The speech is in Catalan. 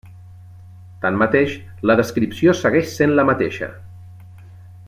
Tanmateix, la descripció segueix sent la mateixa.